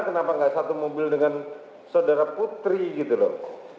kenapa nggak satu mobil dengan saudara putri gitu loh